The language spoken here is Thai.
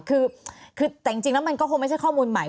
คือแต่เอาจริงแล้วนักวงนั้นก็คงไม่ใช่ข้อมูลใหม่